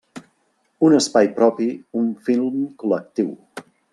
Un espai propi, un film col·lectiu.